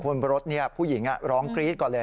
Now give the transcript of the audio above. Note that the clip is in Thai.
บนรถผู้หญิงร้องกรี๊ดก่อนเลย